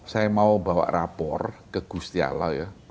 saya mau bawa rapor ke gusti allah ya